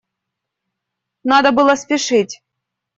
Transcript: Надо было спешить.